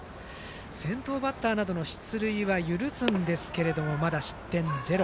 先頭バッターなどの出塁は許すんですけどもまだ失点ゼロ。